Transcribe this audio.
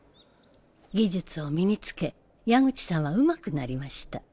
技術を身に付け矢口さんはうまくなりました。